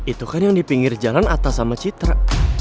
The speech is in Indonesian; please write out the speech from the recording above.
itu kan yang di pinggir jalan atas sama citra